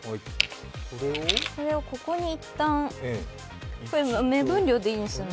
これをここに一旦目分量でいいんですよね。